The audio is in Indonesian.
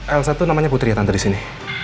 elsa tuh namanya putri ya tante disini